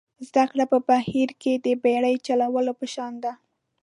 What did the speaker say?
زده کړه په بحیره کې د بېړۍ چلولو په شان ده.